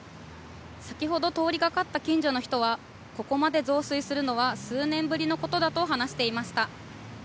先ほど通りがかった近所の人は、ここまで増水するのは数年ぶりのことだと話していました。